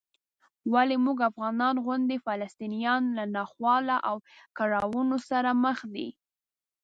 ولې موږ افغانانو غوندې فلسطینیان له ناخوالو او کړاوونو سره مخ دي؟